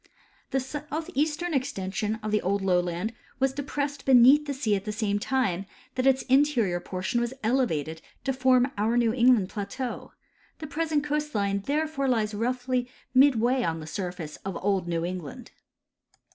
The south eastern extension of the old lowland was depressed beneath the sea at the same time that its interior ]3ortion was elevated to form our New England plateau; the present coast line therefore lies roughly midway on the surface of old New England.